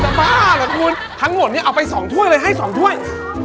บ้าเหรอคุณทั้งหมดเนี่ยเอาไป๒ถ้วยเลยให้๒ถ้วย